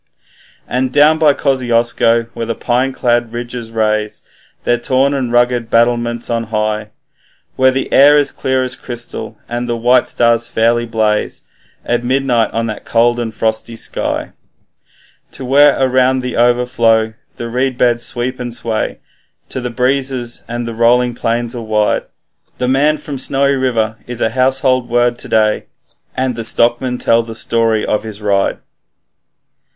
And down by Kosciusko, where the pine clad ridges raise Their torn and rugged battlements on high, Where the air is clear as crystal, and the white stars fairly blaze At midnight in the cold and frosty sky, And where around the Overflow the reedbeds sweep and sway To the breezes, and the rolling plains are wide, The man from Snowy River is a household word to day, And the stockmen tell the story of his ride.